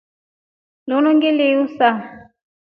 Linu ngili yuusa.